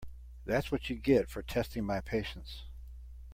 That’s what you get for testing my patience.